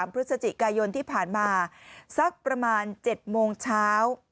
พฤศจิกายนที่ผ่านมาสักประมาณ๗โมงเช้า